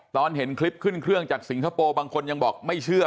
ตอนเห็นคลิปขึ้นเครื่องจากสิงคโปร์บางคนยังบอกไม่เชื่อ